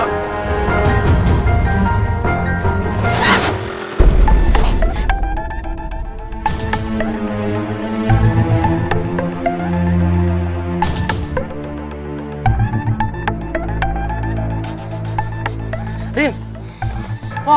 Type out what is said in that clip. tantangin lu ya